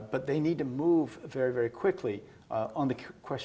dan mereka harus bergerak dengan cepat